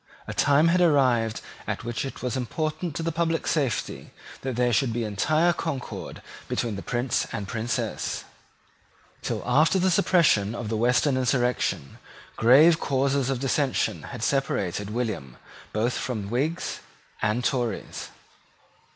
A time had arrived at which it was important to the public safety that there should be entire concord between the Prince and Princess. Till after the suppression of the Western insurrection grave causes of dissension had separated William both from Whigs and Tories.